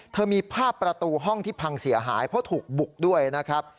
มีภาพประตูห้องที่พังเสียหายเพราะถูกบุกด้วยนะครับ